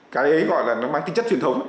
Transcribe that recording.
cái gọi là nó mang tính chất truyền thống